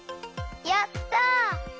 やった！